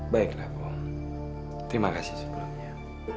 baiklah om terima kasih sebelumnya